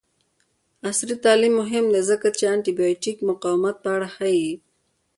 عصري تعلیم مهم دی ځکه چې د انټي بایوټیک مقاومت په اړه ښيي.